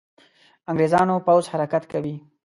انګرېزانو پوځ حرکت کوي.